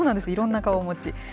いろんな顔をお持ち。